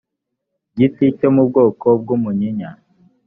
giti cyo mu bwoko bw umunyinya